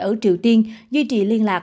ở triều tiên duy trì liên lạc